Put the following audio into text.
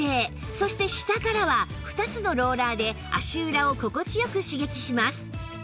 そして下からは２つのローラーで足裏を心地よく刺激します